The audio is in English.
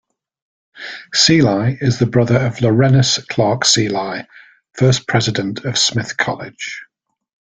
Seelye is the brother of Laurenus Clark Seelye, first president of Smith College.